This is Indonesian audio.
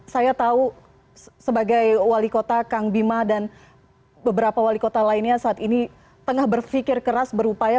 saya tahu sebagai wali kota kang bima dan beberapa wali kota lainnya saat ini tengah berpikir keras berupaya